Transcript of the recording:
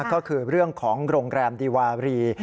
ก็คือเรื่องของโรงแรมดีวารี